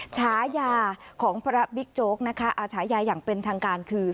ฉายาของพระบิ๊กโจ๊กนะคะอาฉายาอย่างเป็นทางการคือ